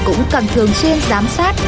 cũng cần thường xuyên giám sát